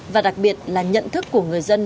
và đặc biệt là nhận thức của người dân